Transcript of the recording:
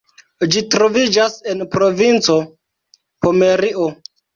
Ĝi troviĝas en provinco Pomerio.